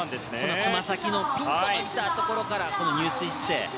つま先のピンと伸びたところから入水姿勢。